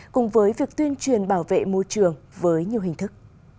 cùng với việc tuyên truyền bảo vệ môi trường với nhiều hình thức